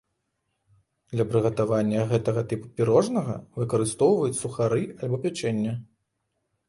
Для прыгатавання гэтага тыпу пірожнага выкарыстоўваюць сухары альбо пячэнне.